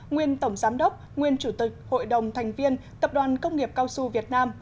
nguyên tổng giám đốc nguyên chủ tịch hội đồng thành viên tập đoàn công nghiệp cao su việt nam